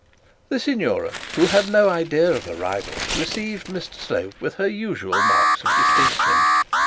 The signora, who had no idea of a rival, received Mr Slope with her usual marks of distinction.